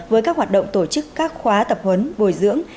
với các hoạt động tổ chức các khóa tập huấn bồi dưỡng